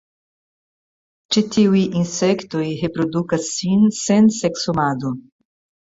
Ĉi tiuj insektoj reprodukas sin sen seksumado.